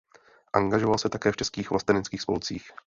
Angažoval se také v českých vlasteneckých spolcích.